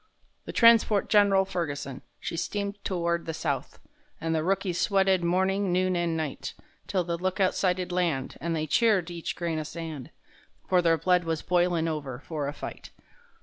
The transport Gen'ral Ferguson, she steamed to ward the south, And the rookies sweated morning, noon and night; 'Till the lookout sighted land, and they cheered each grain o' sand,— For their blood was boilin' over for a fight.